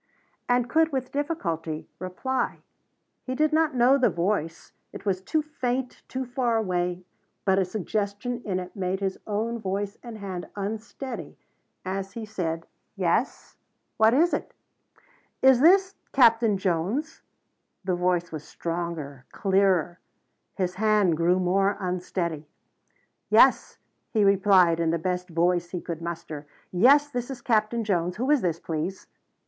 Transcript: And could with difficulty reply. He did not know the voice, it was too faint, too far away, but a suggestion in it made his own voice and hand unsteady as he said: "Yes? What is it?" "Is this Captain Jones?" The voice was stronger, clearer. His hand grew more unsteady. "Yes," he replied in the best voice he could muster. "Yes this is Captain Jones. Who is it, please?"